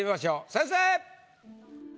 先生！